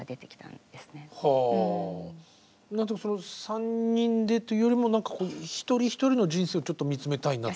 ３人でというよりも何かこう一人一人の人生をちょっと見つめたいなと。